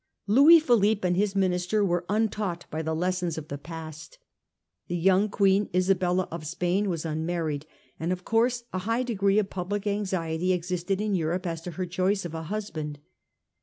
Louis Philippe and his minister were untaught by the lessons of the past. The young Queen Isabella of Spain was unmarried, and of course a high degree of public anxiety existed in Europe as to her choice of a husband.